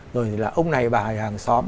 rồi là ông này bà ở hàng xóm